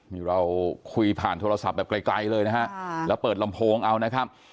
นี่เราคุยผ่านโทรศัพท์แบบไกลเลยนะฮะแล้วเปิดลำโพงเอานะครับ